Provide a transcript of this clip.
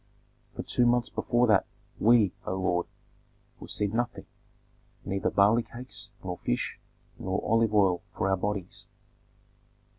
For two months before that, we, O lord, received nothing, neither barley cakes, nor fish, nor olive oil for our bodies."